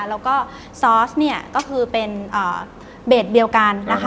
แล้วก็ซอสเนี่ยก็คือเป็นเบสเดียวกันนะคะ